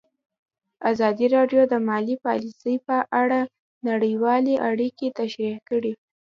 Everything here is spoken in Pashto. ازادي راډیو د مالي پالیسي په اړه نړیوالې اړیکې تشریح کړي.